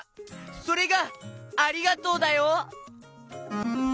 それが「ありがとう」だよ！